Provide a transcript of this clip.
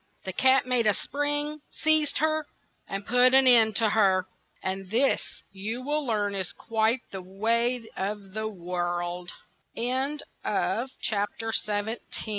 The cat made a spring, seized her, and put an end to her. And this you will learn is quite the way of the worl